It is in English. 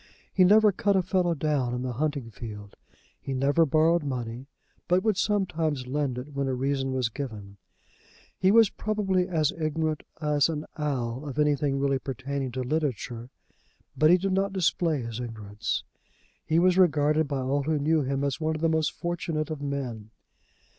He never cut a fellow down in the hunting field. He never borrowed money, but would sometimes lend it when a reason was given. He was probably as ignorant as an owl of anything really pertaining to literature, but he did not display his ignorance. He was regarded by all who knew him as one of the most fortunate of men.